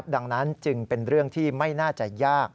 ดังนั้นจึงเป็นเรื่องที่ไม่น่าจะยาก